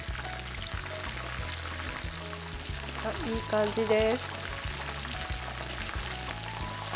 いい感じです。